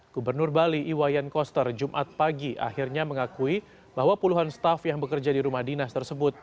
gubernur bali iwayan koster jumat pagi akhirnya mengakui bahwa puluhan staff yang bekerja di rumah dinas tersebut